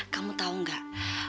kamu tau gak